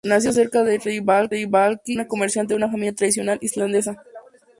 Nació cerca de Reikiavik, hijo de un comerciante de una familia tradicional islandesa.